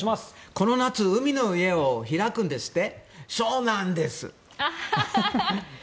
この夏海の家を開くんですって。